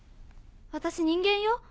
私人間よ